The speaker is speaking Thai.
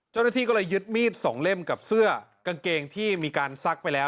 เจ้าหน้าที่ก็เลยยึดมีดสองเล่มกับเสื้อกางเกงที่มีการซักไปแล้ว